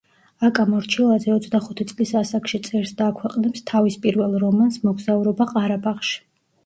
აკა მორჩილაძე ოცდახუთი წლის ასაკში წერს და აქვეყნებს თავის პირველ რომანს „მოგზაურობა ყარაბაღში“.